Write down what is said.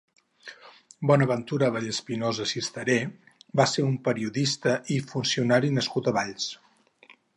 Bonaventura Vallespinosa Sistaré va ser un periodista i funcionari nascut a Valls.